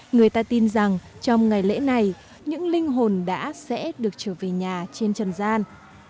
người ta tin rằng trong ngày lễ này những linh hồn đã sẽ được trở về nhà trên trần gian